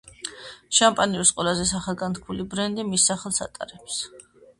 შამპანურის ყველაზე განთქმული ბრენდი მის სახელს ატარებს.